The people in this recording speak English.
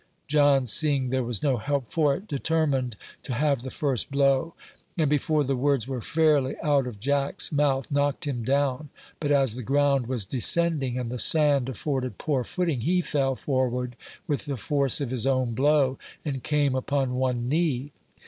John, seeing there was no help for it, determined to have the first blow, and before the words were fairly out of Jack's mouth, knocked him down; but as the ground was descending, and the sand afforded poor footing, he fell forward with the force of his own blow, and came upon one knee.